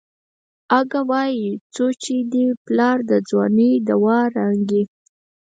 اگه وايي څو چې دې پلار د ځوانۍ دوا رانکي.